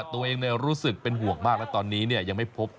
ตัวเองรู้สึกเป็นห่วงมากและตอนนี้ยังไม่พบ